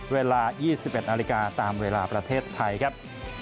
เวลายี่สิบเอ็ดนาฬิกาตามเวลาประเทศไทยครับ